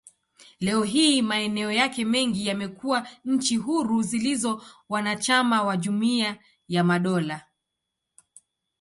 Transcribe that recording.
Leo hii, maeneo yake mengi yamekuwa nchi huru zilizo wanachama wa Jumuiya ya Madola.